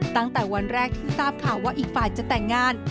ตั้งแต่วันแรกที่ทราบข่าวว่าอีกฝ่ายจะแต่งงาน